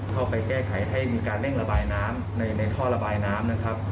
เข้าไปแก้ไขให้มีการเร่งระบายน้ำในท่อระบายน้ำนะครับ